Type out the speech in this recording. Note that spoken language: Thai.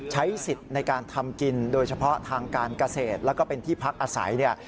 ใช้สิทธิ์ในการทำกินโดยเฉพาะทางการเกษตรแล้วก็เป็นที่พักอาศัยเนี่ย